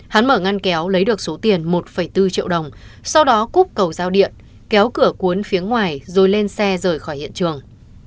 hắn mở ngăn kéo lấy được số tiền một bốn triệu đồng sau đó cúp cầu giao điện kéo cửa cuốn phía ngoài rồi lên xe rời khỏi hiện trường